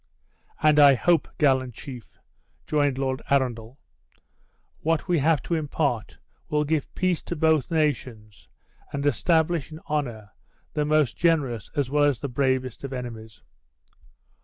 "And I hope, gallant chief," joined Lord Arundel, "what we have to impart will give peace to both nations, and establish in honor the most generous as well as the bravest of enemies."